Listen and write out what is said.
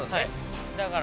だから。